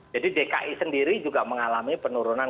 jadi dki sendiri juga mengalami penurunan